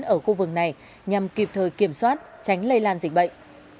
ở khu vực này nhằm kịp thời kiểm soát tránh lây lan dịch bệnh